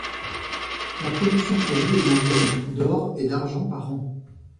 La production prévue est d'environ d'or et d'argent par an.